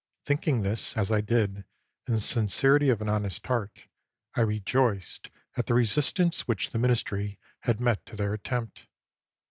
Thinking this, as I did, in the sin cerity of an honest heart, I rejoiced at the re sistance which the ministry had met to their attempt.